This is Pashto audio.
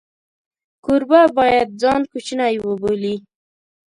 کوربه باید ځان کوچنی وبولي.